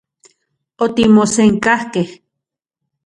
Otimosenkajkej.